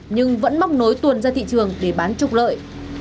nhưng vẫn móc nối tuồn ra thị trường để bán trục lợi